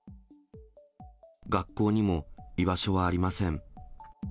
学校にも居場所はありません。